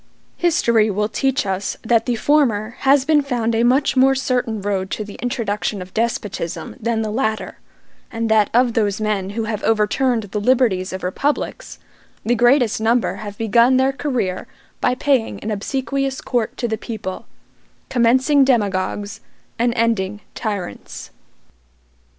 History will teach us that the former has been found a much more certain road to the introduction of despotism than the latter, and that of those men who have overturned the liberties of republics, the greatest number have begun their career by paying an obsequious court to the people; commencing demagogues, and ending tyrants.